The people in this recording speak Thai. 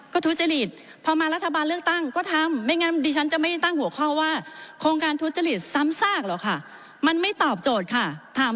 ขอบคุณค่ะขอบคุณค่ะ